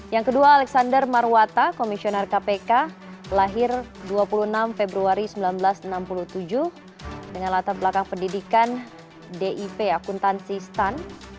yang kedua alexander marwata komisioner kpk lahir dua puluh enam februari seribu sembilan ratus enam puluh tujuh dengan latar belakang pendidikan dip akuntansi stan